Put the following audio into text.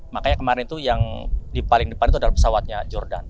makanya kemarin itu yang di paling depan itu adalah pesawatnya jordan